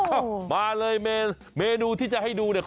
มาเลยเมนูที่จะให้ดูเนี่ย